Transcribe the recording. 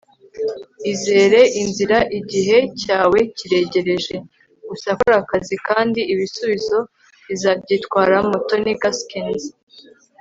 izere inzira. igihe cyawe kiregereje. gusa kora akazi kandi ibisubizo bizabyitwaramo. - tony gaskins